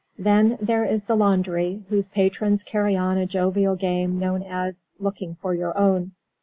Then there is the laundry, whose patrons carry on a jovial game known as "Looking for Your Own."